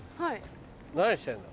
何してんだ。